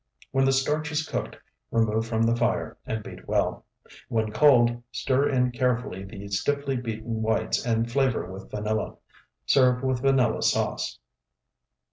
When the starch is cooked, remove from the fire, and beat well. When cold, stir in carefully the stiffly beaten whites and flavor with vanilla. Serve with vanilla sauce.